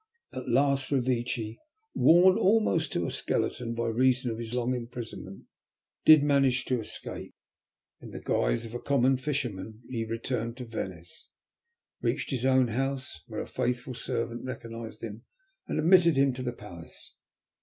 At last Revecce, worn almost to a skeleton by reason of his long imprisonment, did manage to escape. In the guise of a common fisherman he returned to Venice; reached his own house, where a faithful servant recognized him and admitted him to the palace.